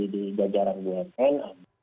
di jajaran bumn